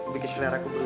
bikin selera ku berubah